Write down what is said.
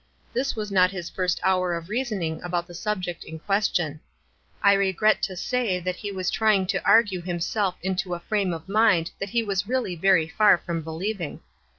This was not his first hour of reasoning about the subject in question. I regret to say that he was trying to argue him self into a frame of mind that he was really very far from believing.